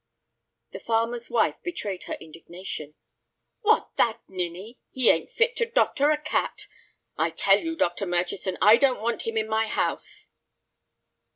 The farmer's wife betrayed her indignation. "What, that ninny! He ain't fit to doctor a cat. I tell you, Dr. Murchison, I don't want him in my house."